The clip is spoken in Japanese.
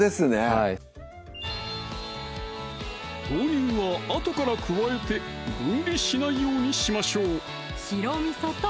はい豆乳は後から加えて分離しないようにしましょう白みそと